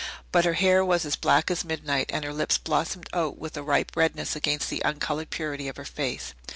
But her hair was as black as midnight, and her lips blossomed out with a ripe redness against the uncoloured purity of her face.